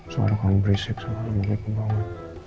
suara kamu berisik suara kamu begitu bangun